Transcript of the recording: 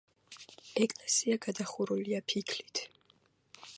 ეკლესია გადახურულია ფიქლით.